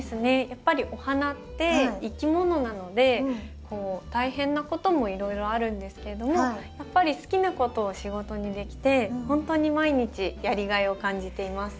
やっぱりお花って生き物なので大変なこともいろいろあるんですけれどもやっぱり好きなことを仕事にできてほんとに毎日やりがいを感じています。